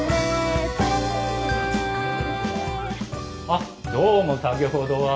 あっどうも先ほどは。